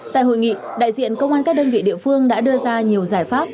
tại hội nghị đại diện công an các đơn vị địa phương đã đưa ra nhiều giải pháp